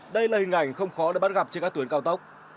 đây là hình ảnh không khó để bắt gặp trên các tuyến cao tốc